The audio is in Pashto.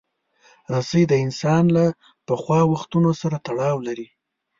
رسۍ د انسان له پخوا وختونو سره تړاو لري.